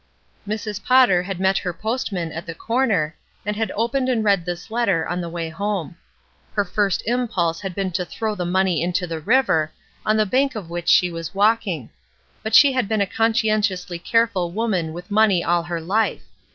Mrs. Potter had met her postman at the corner, and had opened and read this letter on the way home. Her first impulse had been to throw the money into the river, on the bank of which she was walking ; but she had been a conscientiously careful woman with money all her life.